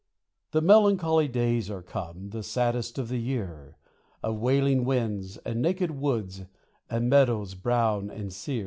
The melancholy days are come, the saddest of the year, Of wailing winds, and naked woods, and meadows brown and sear.